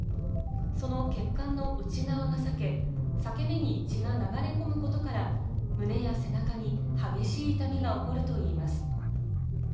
その血管の内側が裂け、裂け目に血が流れ込むことから胸や背中に激しい痛みが起こるといいます。